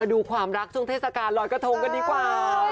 ดูความรักช่วงเทศกาลลอยกระทงกันดีกว่า